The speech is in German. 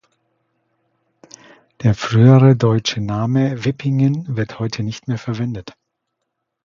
Der frühere deutsche Name "Wippingen" wird heute nicht mehr verwendet.